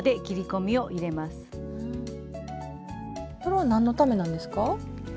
これは何のためなんですか？